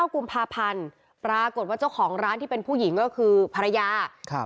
กุมภาพันธ์ปรากฏว่าเจ้าของร้านที่เป็นผู้หญิงก็คือภรรยาครับ